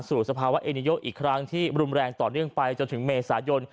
สภาวะเอนิโยอีกครั้งที่รุนแรงต่อเนื่องไปจนถึงเมษายน